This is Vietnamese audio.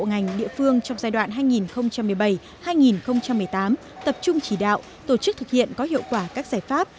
ngành địa phương trong giai đoạn hai nghìn một mươi bảy hai nghìn một mươi tám tập trung chỉ đạo tổ chức thực hiện có hiệu quả các giải pháp